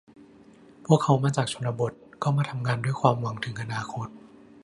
พวกเขามาจากชนบท เข้ามาทำงานด้วยความหวังถึงอนาคต